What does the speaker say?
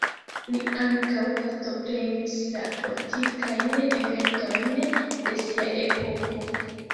Li ankaŭ partoprenis la politikajn eventojn de sia epoko.